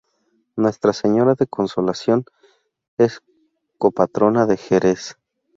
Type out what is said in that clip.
Nuestra Señora de Consolación es Copatrona de Jerez.